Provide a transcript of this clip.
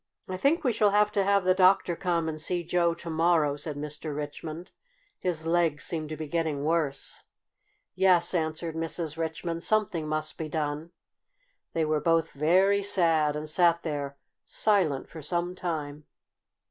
"I think we shall have to have the doctor come and see Joe to morrow," said Mr. Richmond. "His legs seem to be getting worse." "Yes," answered Mrs. Richmond. "Something must be done." They were both very sad, and sat there silent for some time.